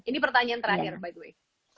ini pertanyaan terakhir by the way